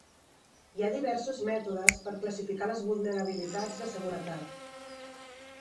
Hi ha diversos mètodes per classificar les vulnerabilitats de seguretat.